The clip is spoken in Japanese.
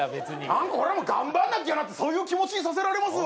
何か俺も頑張んなきゃなそういう気持ちにさせられます！